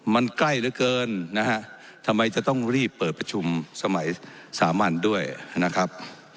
มันใกล้เหลือเกินนะฮะทำไมจะต้องรีบเปิดประชุมสมัยสามัญด้วยนะครับ